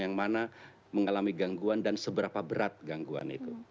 bagaimana mengalami gangguan dan seberapa berat gangguan itu